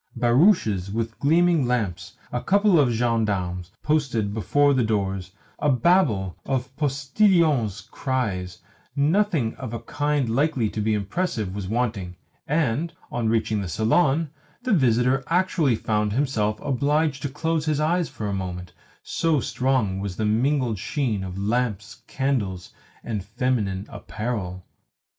Barouches with gleaming lamps, a couple of gendarmes posted before the doors, a babel of postillions' cries nothing of a kind likely to be impressive was wanting; and, on reaching the salon, the visitor actually found himself obliged to close his eyes for a moment, so strong was the mingled sheen of lamps, candles, and feminine apparel.